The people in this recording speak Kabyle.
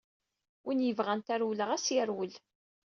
Win yebɣan tarewla ɣas yerwel.